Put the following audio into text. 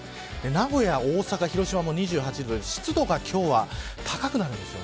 名古屋、大阪、広島も２８度で湿度が今日は高くなるんです。